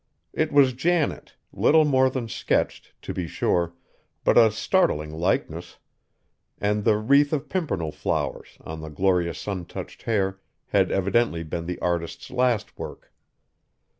It was Janet, little more than sketched, to be sure, but a startling likeness; and the wreath of pimpernel flowers, on the glorious sun touched hair, had evidently been the artist's last work.